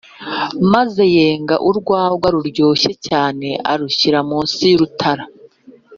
maze yenga urwagwa ruryoshye cyane arushyira munsi y'urutara